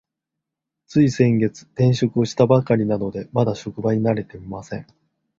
つい先月、転職をしたばかりなので、まだ職場に慣れていません。